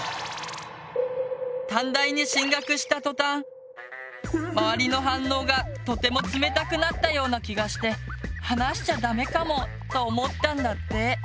短大に進学した途端周りの反応がとても冷たくなったような気がして話しちゃダメかも？と思ったんだって。